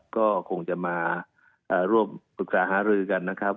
ก็คงจะมาร่วมปรึกษาหารือกันนะครับ